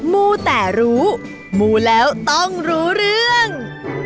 มูแต่รู้มูแล้วต้องรู้เรื่อง